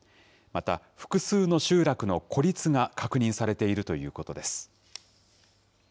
また複数の集落の孤立が確認されているということです。